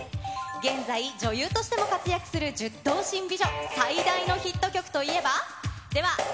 現在、女優としても活躍する１０頭身美女、最大のヒット曲といえば。